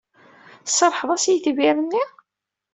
Tserrḥeḍ-as i yitbir-nni?